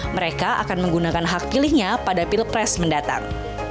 mereka akan menggunakan hak pilihnya pada pilpres mendatang